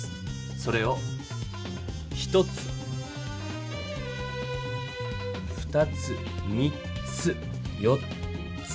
それを１つ２つ３つ４つ５つ。